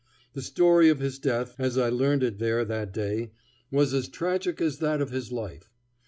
The story of his death, as I learned it there that day, was as tragic as that of his life.